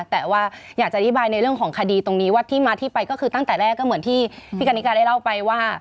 แต่ว่าอยากจะอธิบายในเรื่องของคดีตรงนี้ว่าที่มาที่ไปก็คือตั้งแต่แรกก็เหมือนที่พี่กันนิกาได้เล่าไปว่า